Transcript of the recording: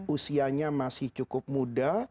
usianya masih cukup muda